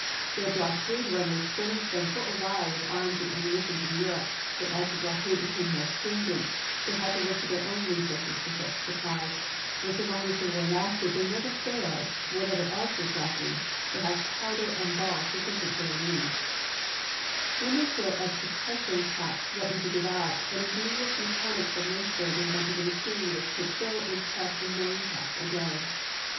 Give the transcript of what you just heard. Their blockade runners furnished them for a while with arms and ammunition from Europe; but as the blockade became more stringent they had to look to their own resources for such supplies, and so long as the war lasted they never failed, what Vol. IX.— 15 226 ABRAHAM LINCOLN " Southern Historical Society Papers." Vol. XVI., pp. 287 et ever else was lacking, to have powder and ball suf ficient for their needs. When their store of percussion caps threatened to give out, an ingenious mechanic from Lynchburg invented a machine which could fill and press a million caps a day.